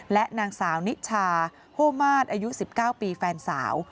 และนางสาวนิชาโฮมาสอายุ๑๙ปีแฟนสาว